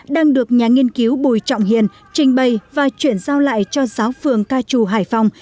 đang được nhà nghiên cứu bùi trọng hiền trình bày và chuyển giao lại cho giáo phường ca trù hải phòng